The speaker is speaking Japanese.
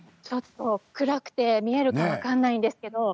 暗くて見えるか分からないんですけど。